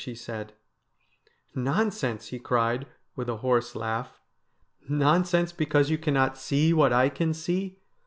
' she said. ' Nonsense !' he cried, with a hoarse laugh. ' Nonsense, because you cannot see what I can see.